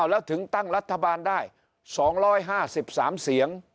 แล้วถึงตั้งรัฐบาลได้๒๕๓เสียง